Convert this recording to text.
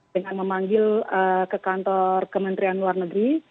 dengan memanggil ke kantor kementerian luar negeri